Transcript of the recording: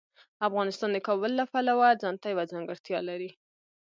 افغانستان د کابل له پلوه ځانته یوه ځانګړتیا لري.